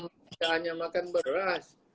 bukan hanya makan beras